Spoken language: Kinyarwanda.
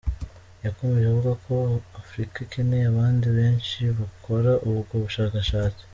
Yakomeje avuga ko Afrika ikeneye abandi benshi bakora ubwo bushakashatsi.